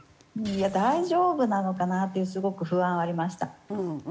大丈夫なのかな？っていうすごく不安はありました。